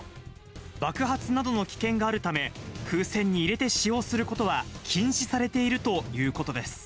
爆発などの危険があるため、風船に入れて使用することは禁止されているということです。